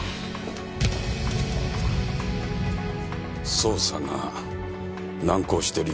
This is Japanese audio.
捜査が難航しているようだな。